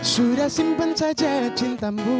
sudah simpan saja cintamu